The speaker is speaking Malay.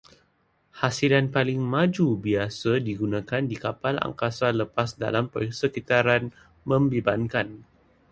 Hasilan paling maju biasa digunakan di kapal angkasa lepas dalam persekitaran membebankan